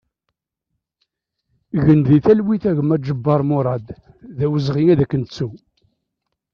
Gen di talwit a gma Ǧebbar Murad, d awezɣi ad k-nettu!